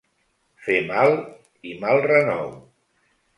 Fer mal, i mal renou.